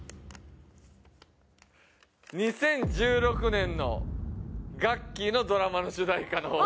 ２０１６年のガッキーのドラマの主題歌の。